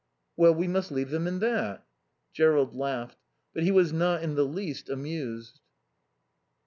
"Well, we must leave them in that." Jerrold laughed. But he was not in the least amused.